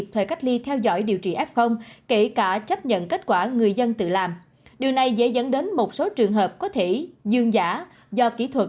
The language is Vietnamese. thậm chí có ngày